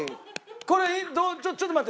これちょっと待って。